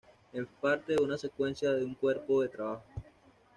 Es parte de una secuencia de un cuerpo de trabajo.